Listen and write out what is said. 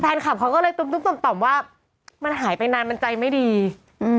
แฟนคลับเขาก็เลยตุ้มตุ้มต่อมต่อมว่ามันหายไปนานมันใจไม่ดีอืม